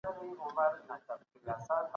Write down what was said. د ارغنداب سیند د خلکو د هيلو ځای دی.